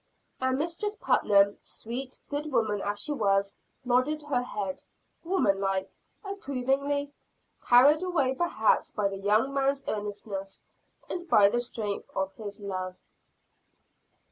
And Mistress Putnam, sweet, good woman as she was, nodded her head, woman like, approvingly, carried away perhaps by the young man's earnestness, and by the strength of his love.